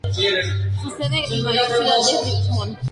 Su sede y mayor ciudad es Richmond.